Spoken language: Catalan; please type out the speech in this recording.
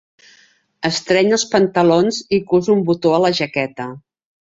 Estreny els pantalons i cus un botó a la jaqueta.